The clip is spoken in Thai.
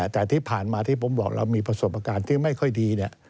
แต่ที่ผ่านมาที่ผมบอกเรามีประสบการณ์ที่ไม่ค่อยดี